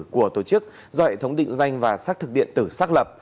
của tổ chức do hệ thống định danh và xác thực điện tử xác lập